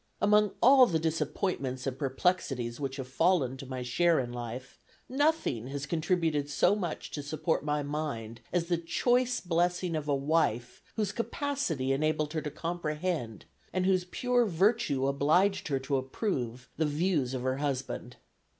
Among all the disappointments and perplexities which have fallen to my share in life, nothing has contributed so much to support my mind as the choice blessing of a wife whose capacity enabled her to comprehend, and whose pure virtue obliged her to approve, the views of her husband.